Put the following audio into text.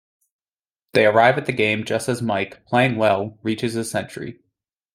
They arrive at the game just as Mike, playing well, reaches his century.